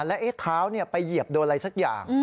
แล้วเท้าไปเหยียบโดนอะไรสักอย่าง